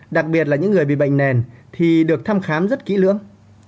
đặc biệt là những người bị bệnh nền thì được thăm khám rất kỹ lưỡng